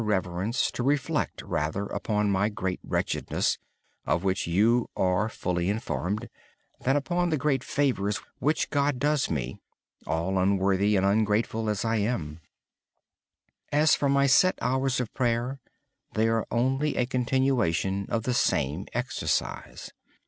Please reflect on my great wretchedness, of which you are fully informed, rather than on the great favors God does one as unworthy and ungrateful as I am. As for my set hours of prayer, they are simply a continuation of the same exercise.